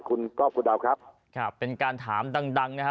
คุณก๊อฟคุณดาวครับครับเป็นการถามดังดังนะฮะ